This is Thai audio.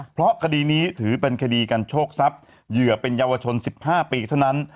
เพราะคดีนี้ถือเป็นคดีการโชคทรัพย์เหยื่อเป็นเยาวชน๑๕ปีเท่านั้น